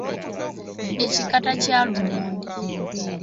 Ekikata kya lumonde.